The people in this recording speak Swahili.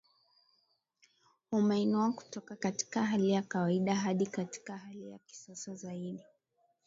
Umeinua kutoka katika hali ya kawaida hadi katika hali ya kisasa zaidi